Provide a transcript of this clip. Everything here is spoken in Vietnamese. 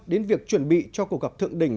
đến việc chuẩn bị cho cuộc gặp thượng đỉnh